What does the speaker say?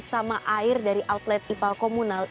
sama air dari outlet ipal komunal